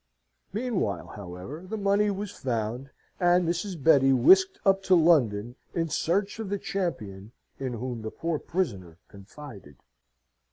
Meanwhile, however, the money was found, and Mrs. Betty whisked up to London in search of the champion in whom the poor prisoner confided.